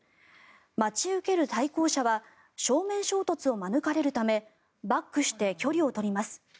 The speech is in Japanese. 待ち受ける対向車は正面衝突を免れるためバックして距離を取ります。